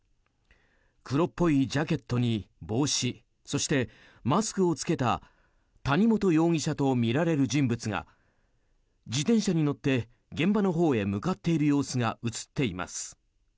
黒っぽいジャケットに帽子そして、マスクを着けた谷本容疑者とみられる人物が自転車に乗って現場のほうへ向かっている様子が映っています。